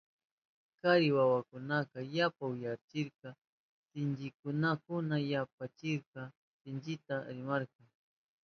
Kari wawakunaka yapa uyarikta kahushpankuna yachachikka sinchita rimarka.